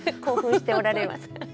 興奮しておられます。